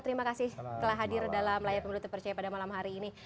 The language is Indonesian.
terima kasih telah hadir dalam layar pemilu terpercaya pada malam hari ini